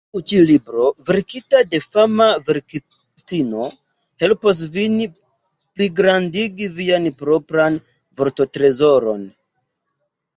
Tiu ĉi libro, verkita de fama verkistino, helpos vin pligrandigi vian propran vorttrezoron.